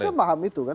harusnya paham itu kan